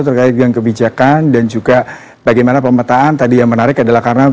terkait dengan kebijakan dan juga bagaimana pemetaan tadi yang menarik adalah karena